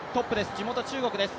地元・中国です。